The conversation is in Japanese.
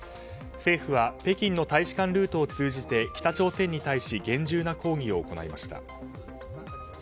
政府は、北京の大使館ルートを通じて北朝鮮に対し厳重な抗議を行いました。